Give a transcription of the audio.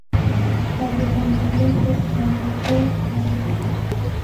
A regañadientes, acató la orden.